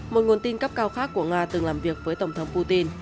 một nguồn tin cấp cao khác của nga từng làm việc với tổng thống putin